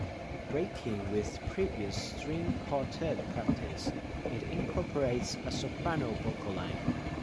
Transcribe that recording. Breaking with previous string-quartet practice, it incorporates a soprano vocal line.